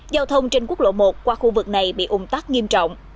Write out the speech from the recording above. giao thông trên quốc lộ một qua khu vực này bị ủng tắc nghiêm trọng